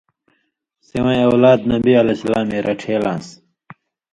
سِوَیں اولاد نبی علیہ السلامے رڇھېلان٘س۔